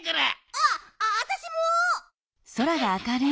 ああたしも！